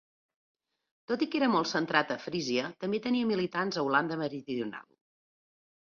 Tot i que era molt centrat a Frísia, també tenia militants a Holanda Meridional.